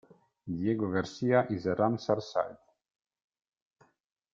Diego Garcia is a Ramsar site.